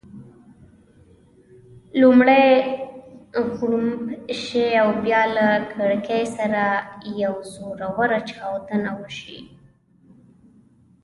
لومړی غړومب شي او بیا له کړېکې سره یوه زوروره چاودنه وشي.